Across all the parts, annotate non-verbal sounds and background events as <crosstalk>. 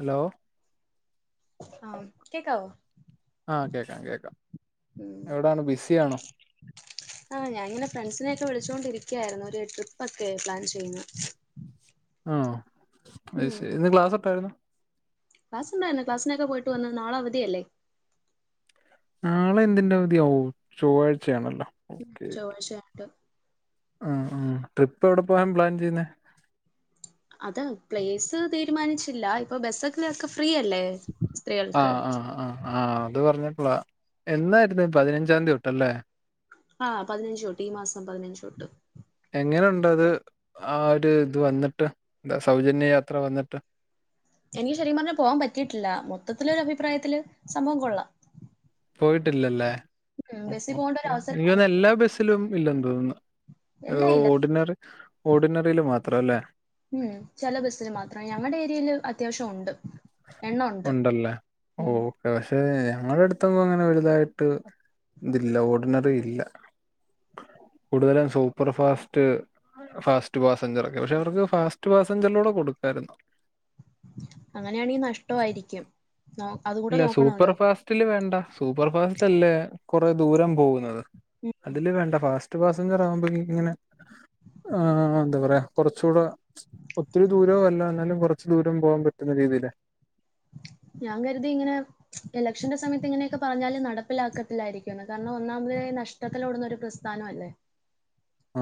Hello. ആഹ് കേക്കാവൊ? ആഹ് കേക്കാം കേക്കാം, എവടാണ് ബിസി ആണോ? ആഹ് ഞാനിങ്ങനെ ഫ്രണ്ട്സിനെക്കെ വിളിചോണ്ടിരിക്ക്യായിരുന്നു ഒരു ട്രിപ്പ് ഒക്കെ പ്ലാൻ ചെയ്യുന്ന ആഹ് അയ് ശരി, ഇന്ന് ക്ലാസ് എപ്പഴായിരുന്നു? ക്ലാസ്ണ്ടായിന്നു ക്ലസിനൊക്കെ പൊയിട്ട് വന്ന് നാള അവതിയല്ലേ? നാളെ എന്തിന്റെ അവധിയാ ആവോ ചൊവ്വാഴ്ച ആണല്ലോ? ചൊവ്വാഴ്ച്ച ആയിട്ട്. ആഹ് ആഹ് ട്രിപ്പ് എവിട പോവാൻ പ്ലാൻ ചെയ്യുന്നെ? അത് പ്ലേസ് തീരുമാനിച്ചില്ല ഇപ്പൊ ബസ്സൊക്ക ഒക്കെ ഫ്രീയല്ലേ? ആഹ് ആഹ് ആഹ്. ആഹ് അത് പറഞ്ഞപ്പോഴാ എന്നായിരുന്നു പതിനഞ്ചാംതി തൊട്ടല്ലേ? ആഹ് പതിനഞ്ച് തൊട്ട് ഈ മാസം പതിനഞ്ച് തൊട്ട്. എങ്ങനെ ഒണ്ടത് ആ ഒരു ഇത് വന്നിട്ട് എന്താ സൗജന്യ യാത്ര വന്നിട്ട്? എനിക്ക് ശരിക്കും പറഞ പോവാൻ പറ്റിയിട്ടില്ല മൊത്തത്തിലൊരു അഭിപ്രായത്തില് സംഭവം കൊള്ളാം. പോയിട്ടില്ലല്ലേ ഉം ബസ്സിൽ പോകേണ്ട ഒരു അവസരം എനിക്ക് തോന്നുന്ന് വന്നിട്ടില്ല എല്ലാ ബസിലും ഇല്ലെന്ന് തോന്നുന്നു. അതോ എല്ലാം ഇല്ല ഓർഡിനറി ഓർഡിനറിയിൽ മാത്രം അല്ലേ? ഉം ചെല ബസ്സിൽ മാത്രം ഞങ്ങടെ ഏരിയെല് അത്യാവശ്യം ഒണ്ട്. എണ്ണോണ്ട് ഉണ്ടല്ലേ ഉം. ഓക്കെ പക്ഷെ ഞങ്ങളുടെ അടുത്ത് ഒന്നും അങ്ങനെ വലുതായിട്ട് ഇതില്ല ഓർഡിനറി ഇല്ല. കൂടുതലും സൂപ്പർ ഫാസ്റ്റ് ഫാസ്റ്റ് പാസഞ്ചർക്കെ പക്ഷെ അവർക്ക് ഫാസ്റ്റ് പാസഞ്ചറിലൂടെ കൊടുക്കാരുന്നു. അങ്ങനെയാണെങ്കിൽ നഷ്ട്ടോ ആയിരിക്കും നോ ഇല്ല സൂപ്പർ ഫാസ്റ്റില് വേണ്ട സൂപ്പർ ഫാസ്റ്റ് അല്ലേ കുറെ ദൂരം പോകുന്നത്. അതില് വേണ്ട ഫാസ്റ്റ് പാസഞ്ചർ ആവുമ്പോ ഇങ്ങനെ ആ എന്താ പറയാ കുറച്ചൂടെ ഒത്തിരി ദൂരവും അല്ല എന്നാലും കൊറച്ച് ദൂരം പോവാൻ പറ്റുന്ന രീതീല്. ഞാൻ കരുതി ഇങ്ങനെ ഇലക്ഷന്റെ സമയത്ത് ഇങ്ങനെയൊക്കെ പറഞ്ഞാല് നടപ്പിലാക്കത്തില്ലായിരിക്കുന്ന് കാരണം ഒന്നാമതായി നഷ് ട്ടത്തിലോടുന്ന ഒരു പ്രസ്ഥാനം അല്ലേ?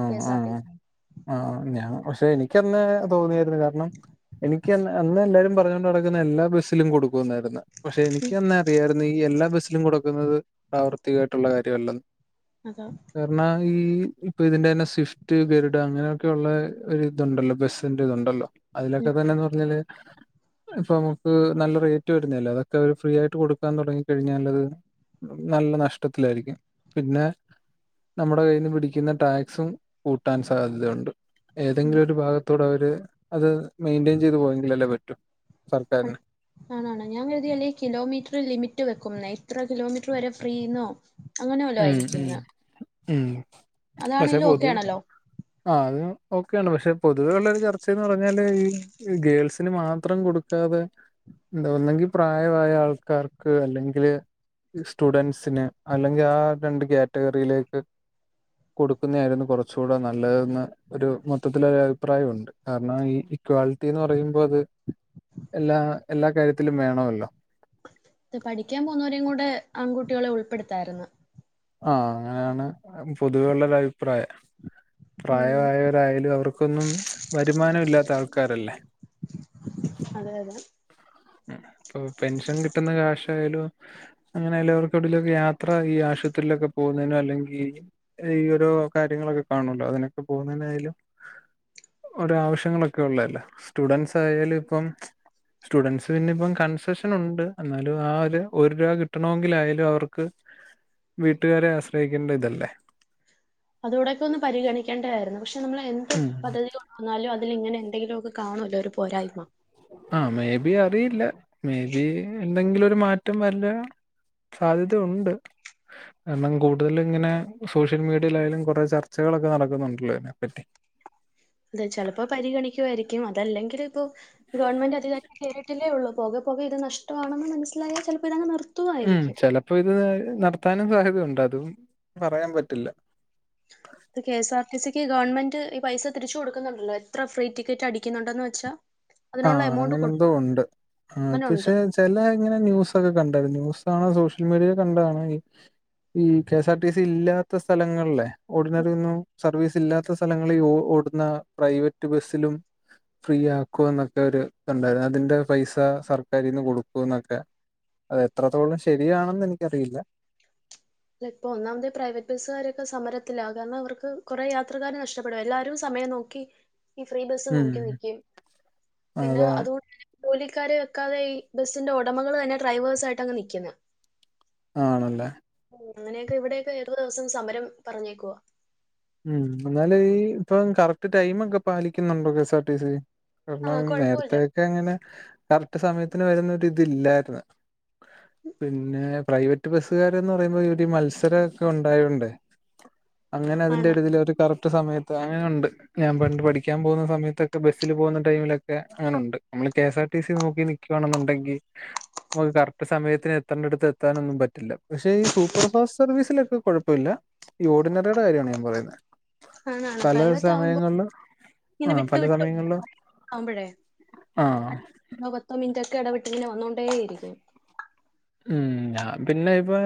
കെസാർ ടി. ആഹ് പിന്നെ ഞാൻ പക്ഷെ എനിക്കന്നെ തോന്നിയായിരുന്നു കാരണം എനി ക്ക് അന്ന് എല്ലാരും പറഞോണ്ട് നടക്കുന്നെ എല്ലാ ബസ്സിലും കൊടുക്കും എന്നായിരുന്നു പക്ഷെ സി എനിക്ക് അന്നെ അറിയാരുന്നു ഈ എല്ലാ ബസ്സിലും കൊടുക്കുന്നത് പ്രാവർത്തികമായിട്ടുള്ള കാര്യമല്ല. അതാ കാരണാ ഈ ഇപ്പൊ ഇതിന്റെ തന്നെ സ്വിഫ്റ്റ് ഗരുഡ അങ്ങനെയൊക്കെ ഉള്ള ഒരു ഇതുണ്ടല്ലോ ബസ്സിന്റെ ഇതുണ്ടല്ലോ അതിലൊക്കെ തന്നെന്ന് പറഞ്ഞാല് ഇപ്പൊ നമുക്ക് നല്ല റേറ്റ് വരുന്നല്ലോ അതൊക്കെ അവര് ഫ്രീ ആയിട്ട് കൊടുക്കാൻ തുടങ്ങി കഴിഞ്ഞാല് നല്ല നഷ്ടത്തിലായിരിക്കും പിന്നെ നമ്മുടെ കയ്യിന്ന് പിടിക്കുന്ന ടാക്സും കൂട്ടാൻ സാധ്യതയുണ്ട് ഏതെങ്കിലും ഒരു ഭാഗ ത്തൂടെ അവര് അത് മെയിന്റെയിൻ ചെയ്ത് പോയെങ്കിലല്ലേ പറ്റു സർക്കാരിന്. ആണാണ് ഞാൻ കരുതിയല്ലേ കിലോമീറ്റർ ലിമിറ്റ് വെക്കുംന്ന് എത്ര കിലോമീറ്റർ വരെ ഫ്രീന്നോ അങ്ങനെ വല്ലോ ഉം ആയിരിക്കും ഉം ന്ന് ഉം അതാണെലും ഓക്കെ ആണല്ലോ. ആഹ് അത് ഓക്കെയാണ് പക്ഷെ പൊതുവെ ഉള്ള ഒരു ചർച്ചയന്ന് പറഞ്ഞാല് ഇഹ് ഈ ഗേൾസിന് മാത്രം കൊടുക്കാതെ ഒന്നെങ്കി പ്രായവായ ആൾക്കാർക്ക് അല്ലെങ്കില് സ്റ്റുഡന്റ്സിന് അല്ലേ ങ്കി ആഹ് രണ്ട് കാറ്റഗറിയിലേക്ക് കൊടുക്കുന്നായിരുന്നു കുറച്ചു കൂടെ നല്ലതെന്ന്‌ ഒരു മൊത്തത്തില് ഒരു അഭിപ്രായമുണ്ട് കാരണം ഈ ഇക്വാളിറ്റി എന്ന് പറയുമ്പോ അത് എല്ലാ എല്ലാ കാര്യത്തിലും വേണമല്ലോ. ഇത് പഠിക്കാൻ പോന്ന വരെയും കൂടെ ആൺകുട്ടികളെ ഉൾപ്പെടുത്തായിരുന്നു. ആഹ് അങ്ങനെയാണ് പൊതുവേയുള്ള ഒരു അഭിപ്രായം ഉം പ്രായവായ ന്തായാലും അവർക്കൊന്നും വരുമാനം ഇല്ലാത്ത ആൾക്കാരല്ലേ. അതെ അതെ. ഇപ്പൊ പെൻഷൻ കിട്ടുന്ന കാശായാലും. അങ്ങനെ ആയാലും അവർക്ക് എവിടെലൊക്കെ യാത്ര ഈ ആശുപത്രിയിലൊക്കെ പോകുന്നതിനോ അല്ലെങ്കി ഈ ഓരോ കാര്യങ്ങളൊക്കെ കാണുല്ലോ അതിനൊക്കെ പോകുന്നതിനായാലും ഒരാവശ്യങ്ങളൊക്കെ ഉള്ളല്ലോ സ്റ്റുഡൻറ്സ് ആയാല് ഇപ്പം സ്റ്റുഡൻസ് പിന്നെ ഇപ്പം കൺസെഷൻ ഉണ്ട് എന്നാലും ആഹ് ഒര് ഒരു രൂപ കിട്ടണോങ്കില് ആയാലും അവർക്ക് വീട്ടുകാരെ ആശ്രയിക്കേണ്ട ഇതല്ലേ അതു കുടൊക്കെ ഒന്ന് പരിഗണിക്കേണ്ടതായിരുന്നു പക്ഷെ നമ്മൾ എന്ത് ഉം പദ്ധതിക എന്നാലും അതില് ഇങ്ങനെ എന്തെങ്കിലുമൊക്കെ കാണുമല്ലോ ഒരു പോരായ്മ ആഹ് മേബി അറിയില്ല മേബി എന്തെങ്കിലും ഒരു മാറ്റം വരില്ല സാധ്യത ഉണ്ട് കാരണം കൂടുതലിങ്ങനെ സോഷ്യൽ മീഡിയലായാലും കുറെ ചർച്ചകളൊക്കെ നടക്കുന്നുണ്ടല്ലോ അതിനെപ്പറ്റി അതെ ചിലപ്പോ പരിഗണിക്കുവായിരിക്കും അതല്ലെങ്കില് ഇപ്പൊ ഗവൺമെന്റ് അധികരി കേറിട്ടെല്ലയുള്ളു പോകെ പോകെ ഇത് നഷ്ടണെന്ന് മനസ്സിലായാൽ ചിലപ്പോ ഇതങ് നിർ ഉം ചെലപ്പോ ഇത് നടത്താനും സാധ്യതയുണ്ട് അതും പറയാൻ പറ്റില്ല <inaudible> ഇത് കെഎസ്ആർ ടി സിക്ക് ഗവൺമെന്റ് ഈ പൈസ തിരിച്ചു കൊടുക്കുന്നുണ്ടല്ലോ എത്ര ഫ്രീ ടിക്കറ്റ് അടിക്കുന്നുണ്ടന്ന് വെച്ചാ അതിനുള്ള ആഹ് എമൗണ്ട് അങ്ങനെ എന്തോ ഉണ്ട് ആഹ് കൊടുക്കുന്നുണ്ട്. പക്ഷെ ചില ഇങ്ങനെ ന്യൂസൊക്കെ കണ്ടാരുന്നു ന്യൂസാണ് സോഷ്യൽ മീഡിയെ കണ്ടതാണ് ഇഹ് ഈ കെഎസ് ആർ ടി സി ഇല്ലാത്ത സ്ഥലങ്ങളിലെ ഓർഡിനറി ഒന്നും സർവീസ് ഇല്ലാത്ത സ സ്ഥലങ്ങളിൽ ഓടുന്ന പ്രൈവറ്റ് ബസ്സിലും ഫ്രീ ആക്കു ക്കും എന്നൊക്കെ ഒരു ഉണ്ടായിരുന്നു അതിന്റെ പൈസ സർക്കാരിൽന്ന് കൊടുക്കും എന്നൊക്കെ അത് എത്രത്തോളം ശരിയാണെന്ന് എനിക്കറിയില്ല അല്ല ഇപ്പൊ ഒന്നാമത് പ്രൈവറ്റ് ബസ്സുകാരൊക്കെ സമരത്തിലാ കാരണം അവർക്ക് കുറെ യാത്രക്കാര് നഷ്ടപ്പെടും എല്ലാവരും സമയം നോ ക്കി ഈ ഫ്രീ ബസ് ഉം നോക്കി നിക്കും പിന്നെ അതാണ് അതുകൊണ്ട് ജോലിക്കാരെ വെക്കാതെ ഈ ബസിന്റെ ഒടമകൾ തന്നെ ഡ്രൈവേഴ്സ് ആയിട്ട് അങ് നിക്കുന്നേ ആണല്ലേ ഓ അങ്ങനെയൊക്കെ ഇവിടെയൊക്കെ ഏത് ദേവസം സമരം പറഞ്ഞേക്കുവ ഉം എന്നാല് ഈ ഇപ്പൊ കറക്റ്റ് ടൈമൊക്കെ പാലിക്കുന്നുണ്ടോ കെസ്ആർ ടി സി ആ കാരണം കുഴപ്പമില്ല നേരത്തൊക്കെ അങ്ങനെ കറക്റ്റ് സമയത്തിന് വരുന്നതി തില്ലായിരുന്നു പിന്നെ പ്രൈവറ്റ് ബസ്സുകാരന്ന് പറയുമ്പോ ഇവര് മത്സരമൊക്കെക്കെ ഉണ്ടായണ്ടണ്ട് അങ്ങനെ അതിന്റെ ആണ് ഇതിൽ ഒരു കറക്റ്റ് സമയത്ത് അങ്ങനുണ്ട് ഞാൻ പണ്ട് പഠിക്കാൻ പോകുന്ന സമയത്തൊക്കെ ബസിൽ പോകുന്ന ടൈമിലൊക്കെ അങ്ങനെണ്ട് നമ്മള് കെ എസ്ആർ ടി സി നോക്കി നി നിക്കുവാണെന്നുണ്ടെങ്കി നമുക്ക് കറക്റ്റ് സമയത്തിന് എത്തേണ്ടടുത്ത് എത്താനൊന്നും പറ്റില്ല പക്ഷെ ഈ സൂപ്പർ ഫാസ്റ്റ് സർവീസിലൊക്കെ കുഴപ്പമില്ല ഈ ഓഡിനറിയുടെ കാര്യമണ് ഞാൻ പറയുന്നേ ആണാ ണ് പ്രൈവറ്റ് വുമ്പോ ഇങ്ങനെ ആ വിട്ടു പല വിട്ടു സമയങ്ങളിലും ആവുമ്പഴേ ആഹ് ന്നോ പത്തോ മിനിട്ടോക്കേ ഇയടവിട്ടിങ്ങനെ വന്നോണ്ടേയിരിക്കും ഉംമ് ഞാൻ പിന്നെ പ്പ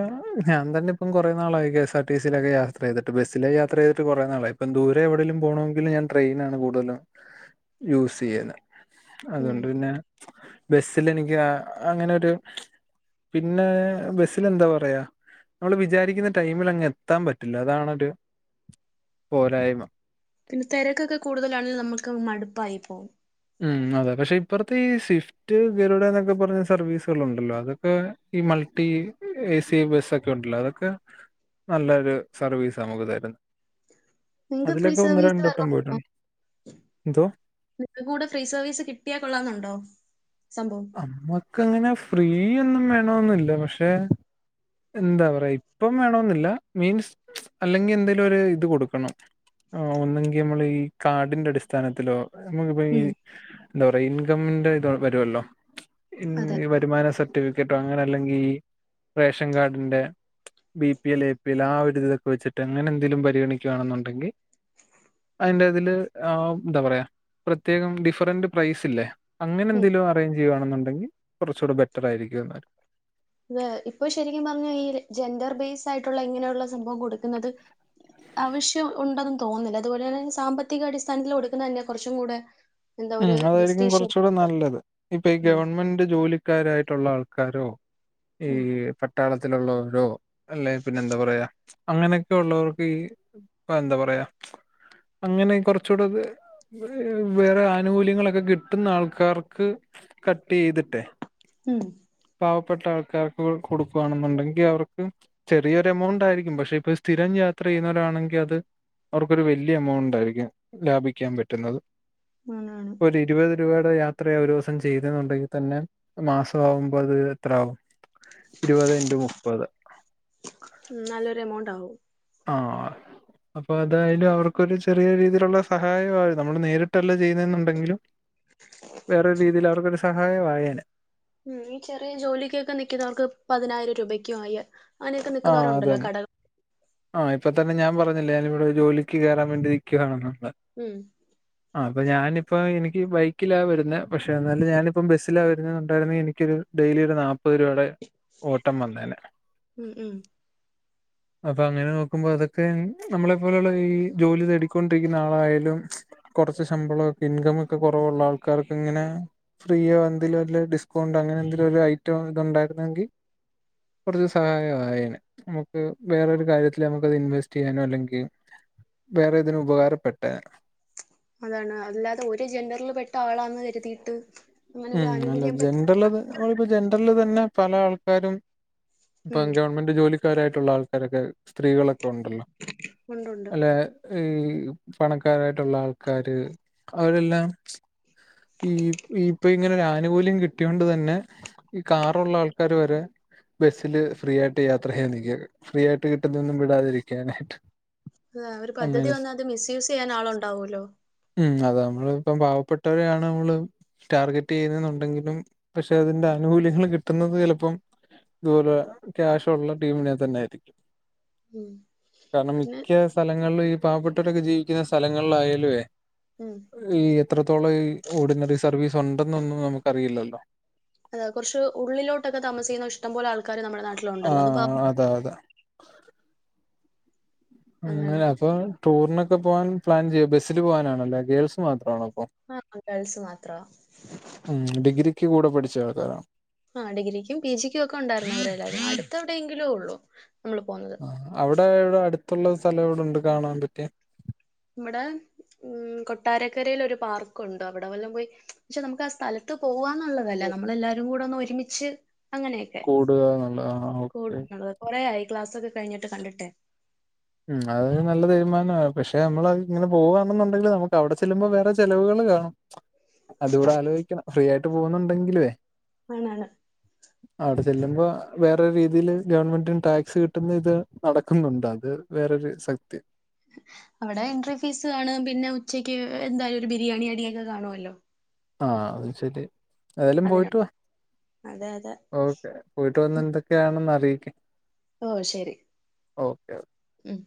ഞാൻ തന്നെ ഇപ്പം കൊറെ നാളായി കെ എസ്ആർ ടി സിയിലൊക്കെ കേ ത്ര ചെയ്ട്ട് ബസ്സില് യാത്ര ചെയ്തി കുറെ നാള ഇപ്പ ദൂരെ എവിടെേലും പോണെങ്കില് ഞാൻ ട്രെയിനാണ് കൂടുലും യൂസ് യ്യ ഉം. അതുകൊണ്ട് പിന്നെ ബസില് എനിക്ക് ആഹ് അങ്ങനെരു പിന്നെ ബസില് എന്താ പറയാ നമ്മള് വിചാരിക്കുന്ന ടൈമില് അങ്ങ് എത്താൻ പറ്റില്ല അതാണൊരു പോരായ്മ പിന്നെ തിരക്കൊക്കെ കൂടുതലാണെങ്കി നമുക്ക് മടുപ്പായി പോകും ഉം അതെ പക്ഷെ ഇപ്പറത് ഈ സ്വിഫ് മറ്റ് ഗരുഡ എന്നൊക്കെ പറഞ്ഞ സർവീസുകൾ ഉണ്ടല്ലോ അതൊക്കെ ഈ മൾട്ടി എ സി ബസൊക്കെ ണ്ടല്ലോ അതൊക്കെ ക്കെ നല്ലൊരു സർവീസാ നമുക്ക് തരുന്നു നിങ്ങക്ക് പ്രീ സർവീസ് <inaudible> വ വട്ടം പോയിട്ടുണ്ട് എന്തോ നിങ്ങക്ക് കൂടെ ഫ്രീ സർവീസ് കിട്ടിയാൽ കൊള്ളാംന്നുണ്ടോ സംഭവം നമ്മക്ക് അങ്ങനെ ഫ്രീ ഒന്നും വേണന്നില്ല പക്ഷെ എന്താ പറയാ ഇപ്പം വേണെന്നില്ല മീൻസ് അല്ലെങ്കി എന്തെലും ഒരു ഇത് കൊടുക്കണം ആഹ് ഒന്നെങ്കി നമ്മൾ ഈ കാടിന്റെ അടിസ്ഥാനത്തിലോ നമുക്കിപ്പ ഈ ഉം എന്താ പറയാ ഇൻകമിന്റെ ഇത് വരുവല്ലോ- ഇൻ അതെ വരുമാന സർട്ടിഫിക്കറ്റോ അങ്ങനെ അല്ലെങ്കിൽ ഈ റേഷൻ കാർഡിന്റെ B P L A P L ആ ഒരുരി ഇതിതൊക്കെ വെച്ചിട്ട് അങ്ങനെന്തേലും പരിഗണിക്കുകയാണെന്നുണ്ടെങ്കിൽ. പിന്നെ തില് ആഹ് എന്താ പറ പ്രത്യകം ഡിഫ്റെന്റ് പ്രൈസ് ല്ലേ അങ്ങനെ ഉം. എന്തേലു അ അറേഞ്ച് ചെയ്യുകയാണെന്നുണ്ടങ്കിൽ കൊറച്ചുടെ ബെറ്റർ ആയിരിക്കു എന്നര് ഇപ്പൊ ശരിക്കും പറഞ്ഞു ഈ ജെൻഡർ ബേസ് ആയിട്ടുള്ള ഇങ്ങനെയുള്ള സംഭവം കൊടുക്കുന്നത് ആവശ്യം ഉണ്ടും തോന്നുന്നില്ല അതുപോലെ തന്നെ സാമ്പത്തിക അടിസ്ഥാനത്തിൽ കൊടുക്കുന്ന തന്നെ കൊറച്ചും കൂടെ- എന്താ ഉം ഒരു അതായിരിക്കും ജസ്റ്റിഷ്യസ് കൊറച്ചുകൂടെ നല്ലത് ഇപ്പൊ ഈ ഉം ഗവൺമെന്റ് ജോലിക്കാരായിട്ടുള്ള ആൾക്കാരോ? ഈ ഉം പട്ടാളത്തിലുള്ളവരോ അല്ലെ പിന്നെ എന്താ പറയാ- അങ്ങനെയൊക്കെ ഒള്ളവർക്ക് ഈ എന്താ പറയാ- അങ്ങനെ കൊറച്ചുകൂടെത് വേറെഅ ആനുകൂല്യങ്ങളൊക്കെ കിട്ടുന്ന ആൾക്കാർക്ക് കട്ട് യ്തിട്ടെ ഉം പാവപ്പെട്ട ആൾക്കാർക്ക് കൊടുക്കവാണെന്നുണ്ടെങ്കിൽ അവർക്ക്- ചെറിയൊരു എമൗണ്ട് ആയിരിക്കും പക്ഷെ ഇപ്പൊ സ്ഥിരം യാത്ര ചെയ്യുന്നവരാണെങ്കിൽ അത്- അവർക്കൊരു വലിയ എമൗണ്ട് ആയിരിക്കും ലാഭിക്കാൻ പറ്റുന്നത്. ആണാണ്. ഒരു ഇരുപത് രൂപയുടെ യാത്രയ ഒരു ദിവസം ചെയ്തെന്നുണ്ടെങ്കിൽ തന്നെ മാസമാകുമ്പ മുപ്പത് എത്ര ആവും ഇരുപതെ ഇന്റു മുപ്പത്- നല്ലൊരു എമൗണ്ട് ആവും. ആഹ്. അപ്പൊ അതായാലും അവർക്കൊരു ചെറിയ രീതിയിലുള്ള സഹായ ആ നമ്മള് നേരിട്ടല്ല ചെയ്യുന്നെന്നുണ്ടെങ്കിലും. വേറരു രീതിയിൽ അവർക്കോരു സഹായവായേന ഉം ഈ ചെറിയ ജോലിക്കൊക്കെ നിക്കുന്നവർക്ക് പതിനായിരം രൂപക്കെ ആയ ആഹ് അതന്നെ. ആഹ് ഇപ്പൊ തന്നെ ഞാൻ പറഞ്ഞില്ല ഞാനിവിടെ ജോലിക്ക് കേറാൻ വേണ്ടിയിരിക്കുകയാണെന്നുള്ളേ- ഉം. <inaudible> ആഹ് അപ്പ ഞാനിപ്പ എനിക്ക് ബൈക്കിലാ വരുന്നെ പക്ഷെ എന്നാലും ഞാനിപ്പ ബസ്സിലാ വരുന്നുണ്ടായിരുന്ന എനിക്കൊരു ഡെയിലി ഒരു നാല്പ്പത് രൂപയുടെ ഓട്ടം വന്നേനെ ഉം ഉം. അപ്പൊ അങ്ങനെ നോക്കുമ്പോ അതൊക്കെ നമ്മളെപ്പോലെയുള്ള ഈ ജോലി തേടിക്കൊണ്ടിരിക്കുന്ന ആളായാലും- കൊറച്ച് ശമ്പളൊക്കെ ഇൻകം ഒക്കെ കൊറവുള്ള ആൾക്കാർക്ക് ഇങ്ങനെ ഫ്രീയോ എന്തെലും വല്ല ഡിസ്കൗണ്ട് അങ്ങനെ എന്തേലും ഒരു ഐറ്റം ഇതുണ്ടായിരുന്നെങ്കി കൊറച്ച് സഹായവാ അയെനെ നമുക്ക് വേറൊരു കാര്യത്തിൽ നമുക്കത് ഇൻവെസ്റ്റ് ചെയ്യാനോ അല്ലെങ്കി വേറെതിന് ഉപകാരപ്പെട്ടേനെ- അതാണ് അല്ലാതെ ഒരു ജെന്റെറിൽ പെട്ട ആളാന്ന് കരുതിയിട്ട്. അങ്ങനെ ഒരു ഉം അല്ല ആനുകൂല്യം പറ്റ ജെന്ററിൽ അത് ആള് പ്പൊ ജെന്ററിൽ തന്നെ പല ആൾക്കാരും ഉം ഇപ്പം ഗവൺമെന്റ് ജോലിക്കാരായിട്ടുള്ള ആൾക്കാരൊക്കെ സ്ത്രീകളൊക്കെ ഉണ്ടല്ലോ ഉണ്ടുണ്ട്. അല്ലെ ഈ പണക്കാരായിട്ടുള്ള ആൾക്കാര് അവരെല്ലാം ഈ ഈ ഇങ്ങനൊരാനുകൂല്യം കിട്ടിയൊണ്ട് തന്നെ ഈ കാറൊള്ള ആൾക്കാാര് വരെ ബസ്സില് ഫ്രീ ആയിട്ട് യാത്ര ചെയ്യാൻ നിക്ക ഫ്രീ ആയിട്ട് കിട്ടുന്നൊന്നും വിടാതിരിക്കാനായിട്ട്. അത ഒരു പദ്ധതി അങ്ങനെ വന്ന അത് മിസ്യൂസ് ചെയ്യാൻ ആള് ഉണ്ടാവൂല്ലോ- ഉം അത നമ്മള് ഇപ്പം പാവപ്പെട്ടവരെയാണ് നമ്മള് ടാർഗറ്റ് ചെയ്യുന്നെന്നുണ്ടെങ്കിലും പക്ഷെ അതിന്റെ ആനുകൂല്യങ്ങൾ കിട്ടുന്നത് ചെലപ്പം- ഇത്പോലെ ക്യാഷൊള്ള ടീമിനെ തന്നായിരിക്കും ഉം കാരണം പിന്നെ മിക്കസ് സ്ഥലങ്ങളിൽ ഈ പാവപ്പെട്ടവരൊക്കെ ജീവിക്കുന്ന സ്ഥലങ്ങളിലയാലുവേ ഉം ഈ എത്രത്തോളം ഈ ഓർഡിനറി സർവീസ് ഉണ്ടെന്നൊന്നും നമുക്കറിയില്ലല്ലോ അത കുറച്ച് ഉള്ളിലോട്ടൊക്കെ താമസിക്കുന്ന ഇഷ്ടം പോലെ ആൾക്കാര് നമ്മുടെ നാ ആഹ അതാ അതാ മ്മ് അങ്ങനെ. അല്ല അപ്പൊ ടൂറിനൊക്കെ പോവാൻ പ്ലാൻ ചെയ്യും ബസ്സിൽ പോകാനാണല്ലോ ഗേൾസ് മാത്രമാണോ അപ്പൊ ആഹ ഗേൾസ് മാത്രവാ മ്മ് ഡിഗ്രിക്ക് കൂടെ പഠിച്ച ആൾക്കാരാണോ ആ ഡിഗ്രിക്കും പീജിക്കൊക്കെ ഉണ്ടായിരുന്ന അവരെല്ലാവരും അടുത്തെവിടെയെങ്കിലൊ ഉള്ളൂ നമ്മള് പോവുന്നത് അവിടെ എവിടെ അടുത്തുള്ള സ്ഥലം എവിടൊണ്ട് കാണാൻ പറ്റിയ ഇവടെ മ്മ് കൊട്ടാരക്കരെൽ ഒരു പാർക്കുണ്ട് അവിടെ വല്ലം പോയി പക്ഷെ നമുക്ക് ആ സ്ഥലത്ത് പോവാ ന്നുള്ളതല്ല നമ്മളെല്ലാരും കൂടെ ഒന്ന് ഒരുമിച്ച് അങ്ങനെയൊക്കെ കൂടുക എന്നുള്ള ആഹ് ഓക്കെ കൂടള്ളത് കുറേയായി ക്ലാസ് ഒക്കെ കഴിഞ്ഞിട്ട് കണ്ടിട്ടെ മ്മ് അതൊരു നല്ല തീരുമാനവാ പക്ഷെ നമ്മളത് ഇങ്ങനെ പോവാണെന്നുണ്ടെങ്കിൽ നമുക്ക് അവിടെ ചെല്ലുമ്പോ വേറെ ചെലവുകൾ കാണും അതൂടെ ആലോയിക്കണം ഫ്രീ ആയിട്ട് പോവുന്നുണ്ടെങ്കിലുവേ <unintelligible> <inaudible> അവിടെ ചെല്ലുമ്പോ വേറെ രീതിയില് ഗവൺമെന്റിന് ടാക്സ് കിട്ടുന്ന ഇത് നടക്കുന്നുണ്ട് അത് വേറൊരു സത്യം അവിടെ എൻട്രി ഫീസ് കാണും പിന്നെ ഉച്ചയ്ക്ക് എന്തായാലും ഒരു ബിരിയാണി അടിയൊക്കെ കാണുമല്ലോ ആഹ അത് ശരിയാ എതാലും അതിനാ പോയിട്ട് വാ അതെ അതെ പോയിട്ട് വന്ന് ഉം. എന്തൊക്കെയാണെന്ന് അറിയിക്ക്‌ ഓ ശരി ഉം